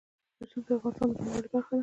رسوب د افغانستان د بڼوالۍ برخه ده.